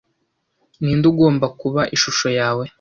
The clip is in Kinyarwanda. ninde ugomba kuba ishusho yawe